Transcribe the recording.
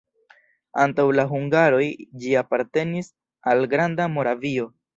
Antaŭ la hungaroj ĝi apartenis al Granda Moravio.